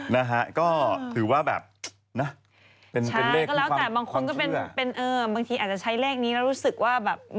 มันก็จะเป็นแบบนี้ครับ